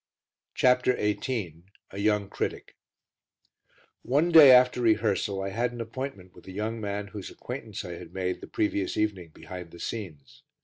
CHAPTER XVIII A YOUNG CRITIC One day after rehearsal I had an appointment with a young man whose acquaintance I had made the previous evening behind the scenes.